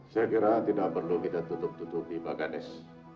saya kira tidak perlu kita tutup tutupi pak ganes